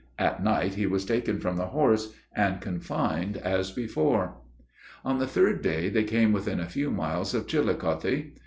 At night he was taken from the horse, and confined as before. On the third day, they came within a few miles of Chillicothe.